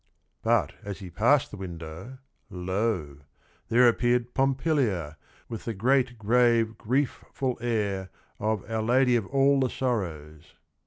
But as he passed the window, lo! there appeared Pompilia with the "great, grave, griefful air" of "Our Lady of all the Sorrows."